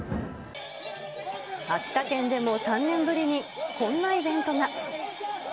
秋田県でも３年ぶりにこんなイベントが。